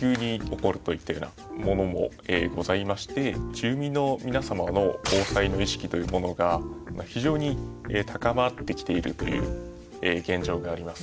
住民のみなさまの防災の意識というものが非常に高まってきているという現状があります。